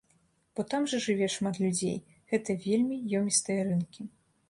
Бо там жа жыве шмат людзей, гэта вельмі ёмістыя рынкі.